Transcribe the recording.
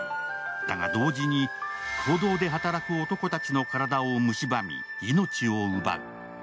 だが、同時に坑道で働く男たちの体をむしばみ、命を奪う。